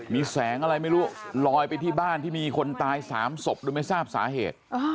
มีแสงอะไรไม่รู้ลอยไปที่บ้านที่มีคนตาย๓ศพโดยไม่ทราบสาเหตุ